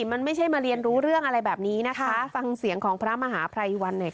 มันไม่ใช่มาเรียนรู้เรื่องอะไรแบบนี้นะคะฟังเสียงของพระมหาภัยวันหน่อยค่ะ